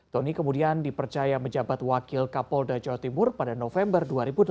tony kemudian dipercaya menjabat wakil kapolda jawa timur pada november dua ribu delapan belas